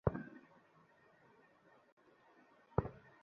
I G Motiur Rahman P S পির কাছে তাঁকে জবাবদিহি করতে হচ্ছে।